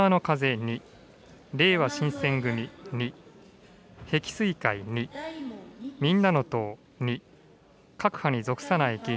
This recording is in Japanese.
２、れいわ新選組２、碧水会２、みんなの党２、各派に属さない議員